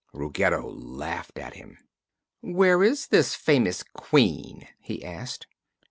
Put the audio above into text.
Ruggedo laughed at him. "Where is this famous Queen?" he asked.